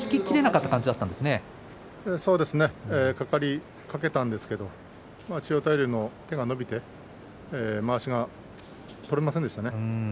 かかりかけたんですけれど、千代大龍の手が伸びてまわしが取れませんでしたね。